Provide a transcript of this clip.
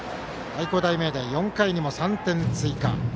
愛工大名電、４回にも３点追加。